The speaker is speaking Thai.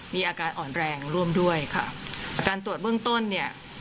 มีอาการอ่อนแรงร่วมด้วยค่ะอาการตรวจเบื้องต้นเนี่ย